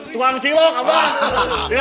tuan cilok bang